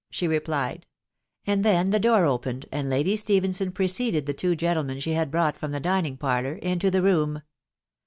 " she replied ; and then the door opened, and Lady Stephenson preceded die two gentlemen she had brought from the dining.parlour into the room.